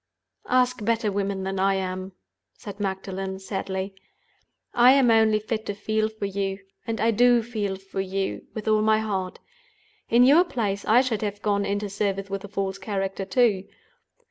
"Ask better women than I am," said Magdalen, sadly. "I am only fit to feel for you, and I do feel for you with all my heart. In your place I should have gone into service with a false character, too.